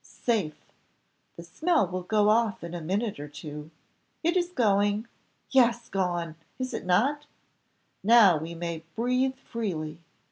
safe! The smell will go off in a minute or two. It is going, yes, gone! is not it? Now we may breathe freely.